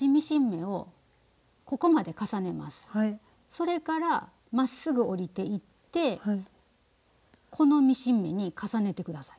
それからまっすぐ下りていってこのミシン目に重ねて下さい。